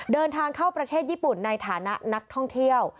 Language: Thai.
เดินทางเข้าประเทศญี่ปุ่นในฐานะนักท่องเที่ยว